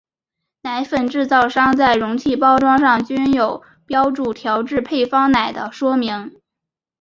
奶粉制造商在容器包装上均有标注调制配方奶的说明。